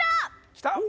きた！